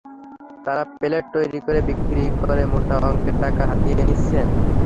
তাঁরা প্লট তৈরি করে বিক্রি করে মোটা অঙ্কের টাকা হাতিয়ে নিচ্ছেন।